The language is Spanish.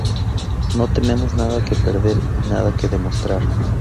No tenemos nada que perder y nada que demostrar.